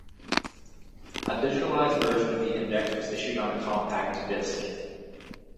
A digitalized version of the index was issued on a Compact Disc.